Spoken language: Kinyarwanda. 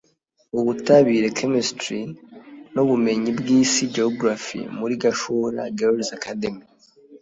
Ubutabire (Chemistry) n’Ubumenyi bw’Isi (Geography) muri Gashora Girls’ Academy